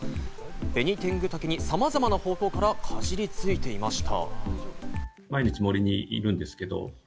ベニテングタケにさまざまな方向からかじりついていました。